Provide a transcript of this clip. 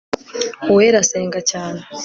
Uwera asenga cyane